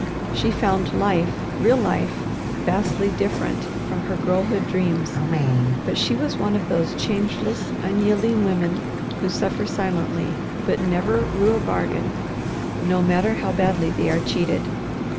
She found life, real life, vastly different from her girlhood dreams, but she was one of those changeless, unyielding women who suffer silently, but never rue a bargain, no matter how badly they are cheated.